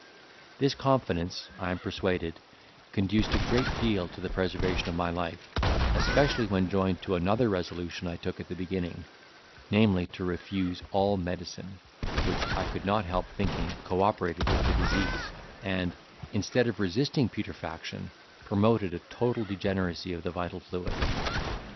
This confidence, I am persuaded, conduced a great deal to the preservation of my life, especially when joined to another resolution I took at the beginning, namely, to refuse all medicine, which I could not help thinking co operated with the disease, and, instead of resisting putrefaction, promoted a total degeneracy of the vital fluid.